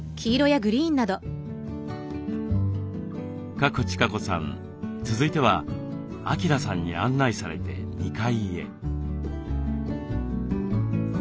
賀来千香子さん続いては晃さんに案内されて２階へ。